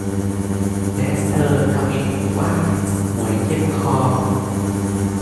และเธอทวีตว่า หมวยเจ็บคอ